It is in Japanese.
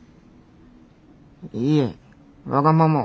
いえわがままを。